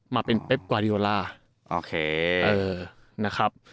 มาเป็นแป๊บกวารี่โอลา